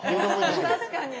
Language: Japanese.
確かに。